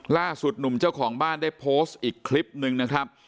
ล่าสุดหนุ่มเจ้าของบ้านได้โพสต์อีกคลิปนึงนะครับ